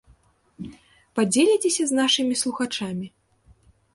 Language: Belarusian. Падзеліцеся з нашымі слухачамі?